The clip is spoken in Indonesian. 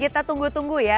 kita tunggu tunggu ya